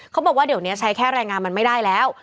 เขาบอกว่าเดี๋ยวนี้ใช้แค่แรงงานมันไม่ได้แล้ว